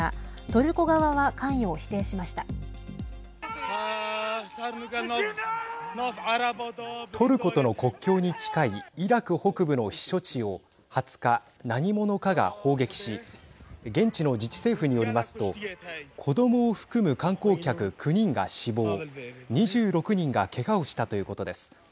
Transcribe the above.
トルコとの国境に近いイラク北部の避暑地を２０日、何者かが砲撃し現地の自治政府によりますと子どもを含む観光客９人が死亡２６人がけがをしたということです。